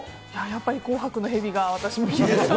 やっぱり紅白の蛇が私も。